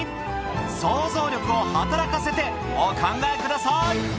想像力を働かせてお考えください